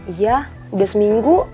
iya udah seminggu